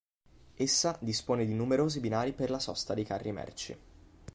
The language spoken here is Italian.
Essa dispone di numerosi binari per la sosta dei carri merci.